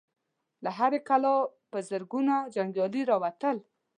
له هرې کلا په زرګونو جنګيالي را ووتل.